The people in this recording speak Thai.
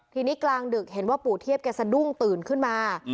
ทีนี้กลางดึกเห็นว่าปู่เทียบแกสะดุ้งตื่นขึ้นมา